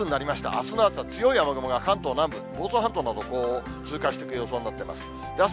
あすの朝、強い雨雲が関東南部、房総半島などを通過していく予想になっています。